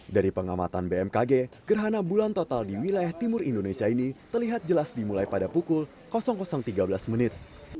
dari pengamatan bmkg gerhana bulan total di wilayah timur indonesia ini terlihat jelas dimulai pada pukul tiga belas menit